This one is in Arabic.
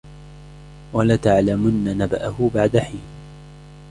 وَلَتَعْلَمُنَّ نَبَأَهُ بَعْدَ حِينٍ